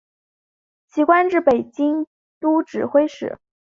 其官至北京都指挥使。